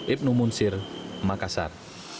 ibnu munsir makassar